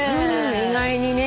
意外にね。